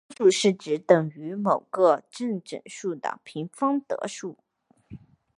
完全平方数是指等于某个正整数的平方的数。